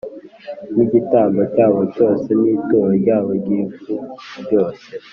N igitambo cyabo cyose n ituro ryabo ry ifu ryose